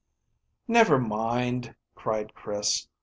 "Never mind," cried Chris.